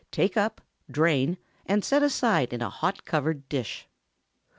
Take up, drain, and set aside in a hot covered dish.